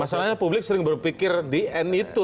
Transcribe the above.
masalahnya publik sering berpikir di end itu